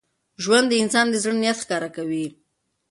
ژوند د انسان د زړه نیت ښکاره کوي.